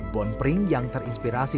bon pring yang terinspirasi